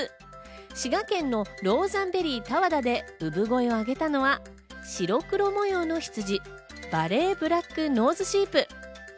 滋賀県のローザンベリー多和田で産声をあげたのが、白黒模様のヒツジ、ヴァレーブラックノーズシープ。